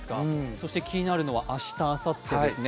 気になるのは明日、あさってですね。